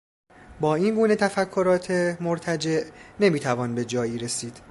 با این گونه تفکرات مرتجع نمیتوان به جایی رسید